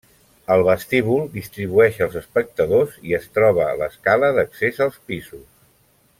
El vestíbul distribueix els espectadors i es troba l'escala d'accés als pisos.